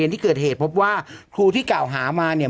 ที่เกิดเหตุพบว่าครูที่กล่าวหามาเนี่ย